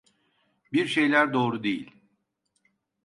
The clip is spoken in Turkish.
Bir şeyler doğru değil.